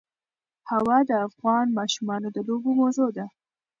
هوا د افغان ماشومانو د لوبو موضوع ده.